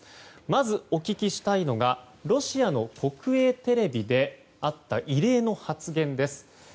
まずお聞きしたいのがロシアの国営テレビであった異例の発言です。